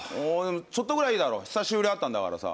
ちょっとぐらい、いいだろ久しぶりに会ったんだからさ。